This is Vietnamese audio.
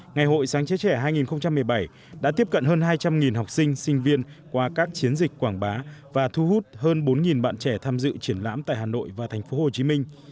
ngày hội sáng chế trẻ hai nghìn một mươi bảy đã tiếp cận hơn hai trăm linh học sinh sinh viên qua các chiến dịch quảng bá và thu hút hơn bốn bạn trẻ tham dự triển lãm tại hà nội và thành phố hồ chí minh